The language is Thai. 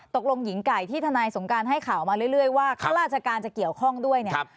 ตกลงหญิงไก่ที่ทนายสงการให้ข่าวมาเรื่อยว่าข้าราชการจะเกี่ยวข้องด้วยเนี่ย